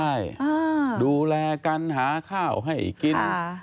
ใช่ดูแลกันหาข้าวให้กิน